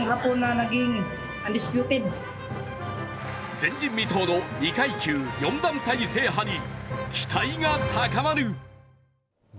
前人未到の２階級４団体制覇に期待が高まる。